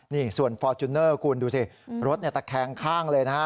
นี่ส่วนฟอร์จูเนอร์คุณดูสิรถตะแคงข้างเลยนะฮะ